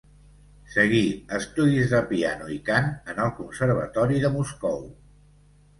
Segui estudis de piano i cant en el Conservatori de Moscou.